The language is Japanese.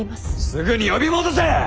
すぐに呼び戻せ！